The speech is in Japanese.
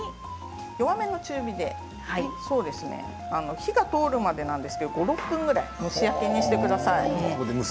弱めの中火で火が通るまでなんですけれども５、６分蒸し焼きにしてください。